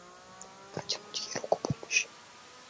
Протянуть ей руку помощи.